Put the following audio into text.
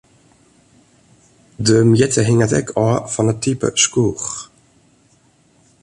De mjitte hinget ek ôf fan it type skoech.